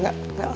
gak gak gak